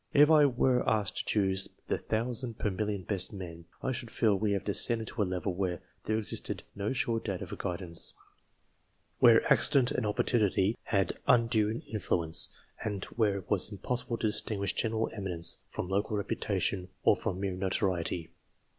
If I were asked to choose the thousand per million best men, I should feel we had descended to a level where there existed no sure data for guidance, where accident and opportunity had undue influence, and where it was impossible to distinguish general eminence from local reputation, or from mere notoriety.